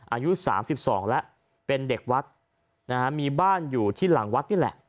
อายุ๓๒แล้วเป็นเด็กวัดนะฮะมีบ้านอยู่ที่หลังวัดนี่แหละ